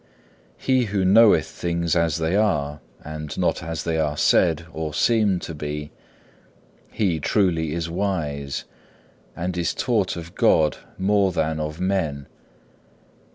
7. He who knoweth things as they are and not as they are said or seem to be, he truly is wise, and is taught of God more than of men.